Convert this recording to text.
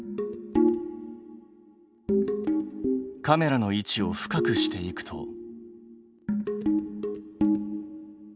カメラの位置を深くしていくと。